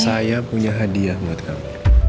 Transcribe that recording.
saya punya hadiah buat kami